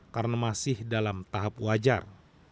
karena masih dalam tahap wajar